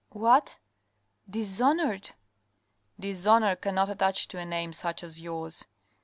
" What ? Dishonoured ?"" Dishonour cannot attach to a name such as yours.